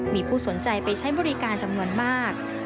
มีผู้สนใจไปใช้บริการจำนวนมาก